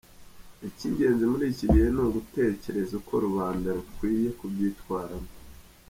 Icy’ingenzi muri iki gihe ni ugutekereza uko rubanda rukwiriye kubyitwaramo.